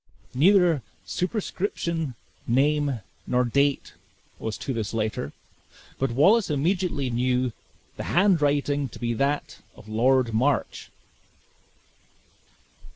Neither superscription, name, nor date, was to this letter; but Wallace immediately knew the handwriting to be that of Lord March.